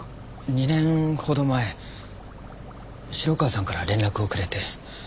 ２年ほど前城川さんから連絡をくれて。